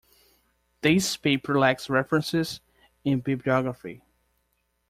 This paper lacks references and bibliography.